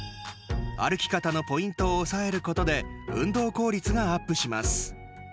歩き方のポイントを押さえることで運動効率がアップします。